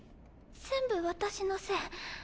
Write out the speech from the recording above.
全部私のせい。